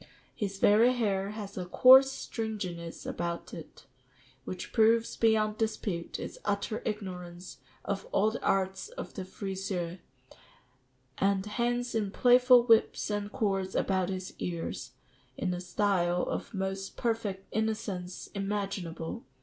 His very hair has a coarse stringiness about it, which proves beyond dispute its utter ignorance of all the arts of the friseur, and hangs in playful whips and cords about his ears, in a style of the most perfect innocence imaginable.